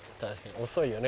遅いよね